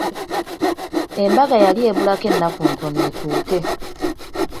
Embaga yali ebulako ennaku ntono etuuke.